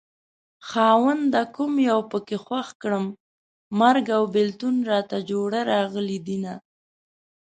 خاونده کوم يو پکې خوښ کړم مرګ او بېلتون راته جوړه راغلي دينه